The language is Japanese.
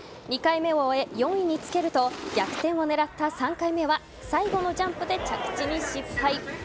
２回目を終え４位につけると逆転を狙った３回目は最後のジャンプで着地に失敗。